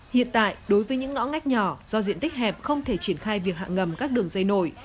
hiện tại đối với những ngõ ngách nhỏ do diện tích hẹp không thể triển khai việc hạ ngầm các đường dây nổi